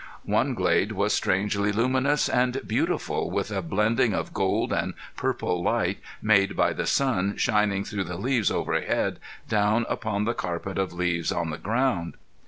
One glade was strangely luminous and beautiful with a blending of gold and purple light made by the sun shining through the leaves overhead down upon the carpet of leaves on the ground.